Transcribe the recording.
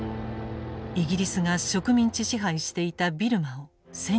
イギリスが植民地支配していたビルマを占領下に置いた。